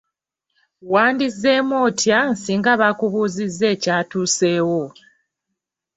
Wandizzeemu otya singa bakubuuziza ekyatuusewo?